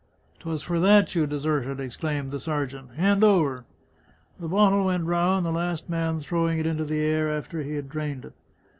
'Twas for that you deserted !" ex claimed the sergeant. " Hand over !" The bottle went round, the last man throwing it into the air after he had drained it.